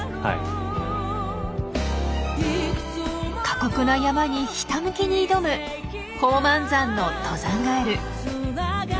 過酷な山にひたむきに挑む宝満山の登山ガエル。